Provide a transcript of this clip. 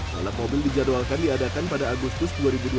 balap mobil dijadwalkan diadakan pada agustus dua ribu dua puluh